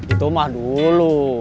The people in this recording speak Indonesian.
itu mah dulu